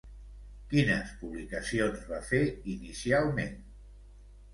Quines publicacions va fer inicialment?